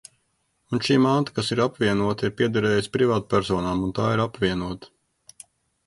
Un šī manta, kas ir apvienota, ir piederējusi privātpersonām, un tā ir apvienota.